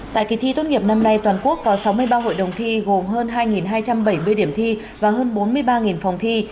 tại kỳ thi tốt nghiệp năm nay toàn quốc có sáu mươi ba hội đồng thi gồm hơn hai hai trăm bảy mươi điểm thi và hơn bốn mươi ba phòng thi